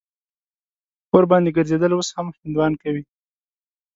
اور باندې ګرځېدل اوس هم هندوان کوي.